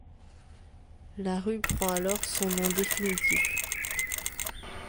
La rue prend alors son nom définitif.